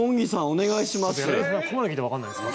お願いします。